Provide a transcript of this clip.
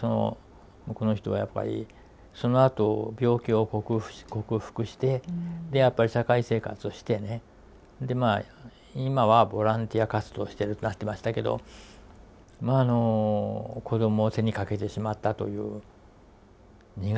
この人はやっぱりそのあと病気を克服して社会生活をしてね今はボランティア活動してるってなってましたけど子どもを手に掛けてしまったという苦い記憶